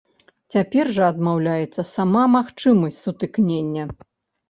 Цяпер жа адмаўляецца сама магчымасць сутыкнення.